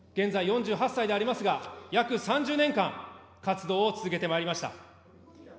私はその思いで現在４８歳でありますが、約３０年間、活動を続けてまいりました。